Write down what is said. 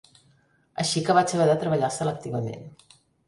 Així que vaig haver de treballar selectivament.